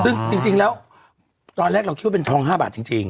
ซึ่งจริงแล้วตอนแรกเราคิดว่าเป็นทอง๕บาทจริง